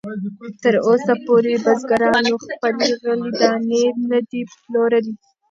تراوسه پورې بزګرانو خپلې غلې دانې نه دي پلورلې.